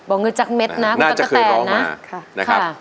บ่องือจักเม็ดนะน่าจะเคยร้องมานะครับ